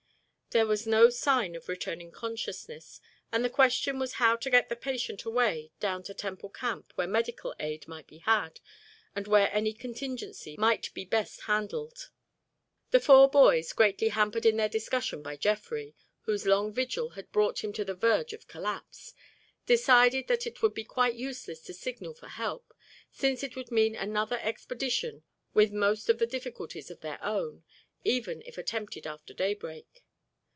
There was no sign of returning consciousness and the question was how to get the patient away down to Temple Camp where medical aid might be had, and where any contingency might be best handled. The four boys, greatly hampered in their discussion by Jeffrey, whose long vigil had brought him to the verge of collapse, decided that it would be quite useless to signal for help, since it would mean another expedition with most of the difficulties of their own, even if attempted after daybreak.